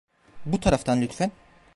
Bu taraftan lütfen.